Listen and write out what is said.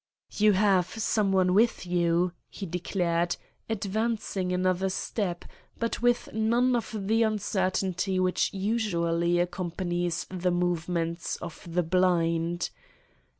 "You have some one with you," he declared, advancing another step but with none of the uncertainty which usually accompanies the movements of the blind.